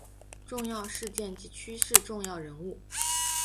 重要事件及趋势重要人物